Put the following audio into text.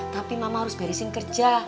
tapi mama harus beresin kerja